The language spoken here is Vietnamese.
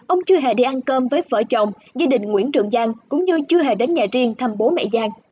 ông chưa hề đi ăn cơm với vợ chồng gia đình nguyễn trường giang cũng như chưa hề đến nhà riêng thăm bố mẹ giang